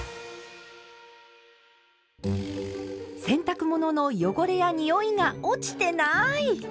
洗濯物の汚れやにおいが落ちてない！